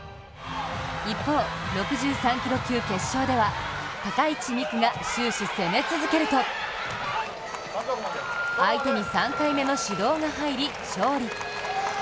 一方、６３キロ級決勝では高市未来が終始攻め続けると相手に３回目の指導が入り勝利。